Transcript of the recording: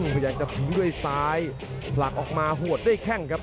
พยายามจะทิ้งด้วยซ้ายผลักออกมาหวดด้วยแข้งครับ